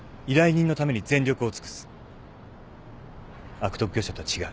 悪徳業者とは違う。